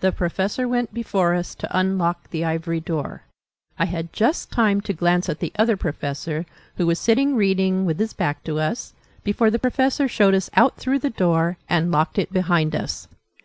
The Professor went before us to unlock the Ivory Door. I had just time to glance at the Other Professor, who was sitting reading, with his back to us, before the Professor showed us out through the door, and locked it behind us.